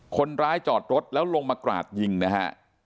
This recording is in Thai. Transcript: คนร้ายจอดรถแล้วลงมากราดยิงนะฮะ